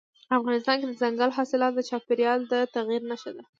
افغانستان کې دځنګل حاصلات د چاپېریال د تغیر نښه ده.